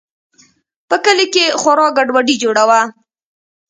په کلي کښې خورا گډوډي جوړه وه.